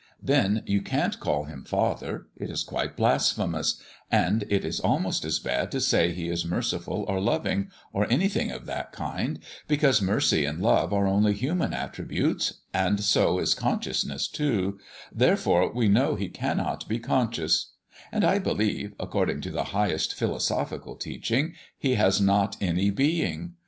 Then you can't call Him Father it is quite blasphemous; and it is almost as bad to say He is merciful or loving, or anything of that kind, because mercy and love are only human attributes; and so is consciousness too, therefore we know He cannot be conscious; and I believe, according to the highest philosophical teaching, He has not any Being.